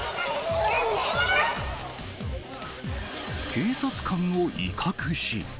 警察官を威嚇し。